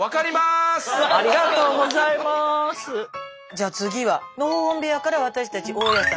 じゃあ次はのほほん部屋から私たち大家さんに。